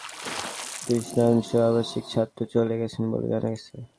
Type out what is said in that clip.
গতকাল শুক্রবার পর্যন্ত এক-তৃতীয়াংশ আবাসিক ছাত্র চলে গেছেন বলে জানা গেছে।